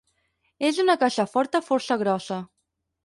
És una caixa forta força grossa.